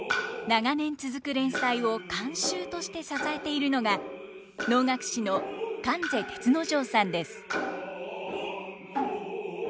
長年続く連載を監修として支えているのが能楽師の観世銕之丞さんです。